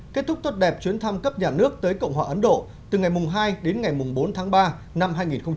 kết thúc tốt đẹp chuyến thăm cấp nhà nước tới cộng hòa ấn độ từ ngày hai đến ngày bốn tháng ba năm hai nghìn hai mươi